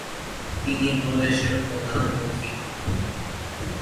তিনি প্রদেশের প্রধানমন্ত্রী হন।